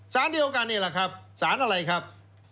สารเดียวกันนี่แหละครับสารอะไรครับ